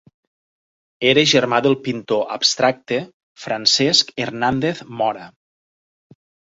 Era germà del pintor abstracte Francesc Hernández Mora.